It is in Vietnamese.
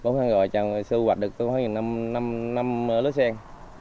bốn tháng rồi sưu hoạch được khoảng năm lớp sen